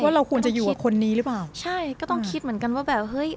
ว่าเราควรจะอยู่กับคนนี้หรือเปล่าใช่ก็ต้องคิดเหมือนกันว่าแบบเฮ้ย